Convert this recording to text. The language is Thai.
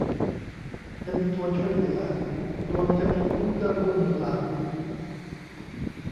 จะมีตัวช่วยเหลือ ดวงจะมีผู้เกื้อกูลหนุนหลัง